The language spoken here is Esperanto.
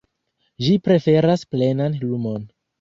Ĝi preferas plenan lumon.